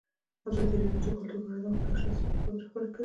ازادي راډیو د کلتور په اړه د مخکښو شخصیتونو خبرې خپرې کړي.